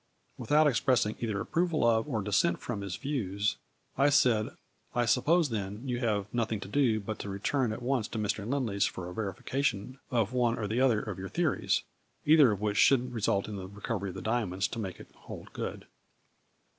Without expressing either ap proval of or dissent from his views, I said :" I suppose then you have nothing to do but to return at once to Mr. Lindley's for a verifi cation of one or the other of your theories, either of which should result in the recovery of the diamonds to make it hold good